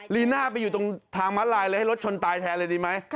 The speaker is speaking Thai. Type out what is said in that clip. ลีน่าไปอยู่ตรงทางม้าลายเลยให้รถชนตายแทนเลยดีไหม